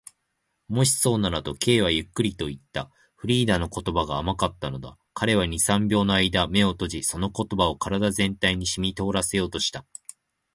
「もしそうなら」と、Ｋ はゆっくりといった。フリーダの言葉が甘かったのだ。彼は二、三秒のあいだ眼を閉じ、その言葉を身体全体にしみとおらせようとした。